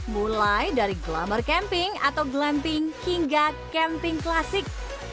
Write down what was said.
mulai dari glamour camping atau glamping hingga camping klasik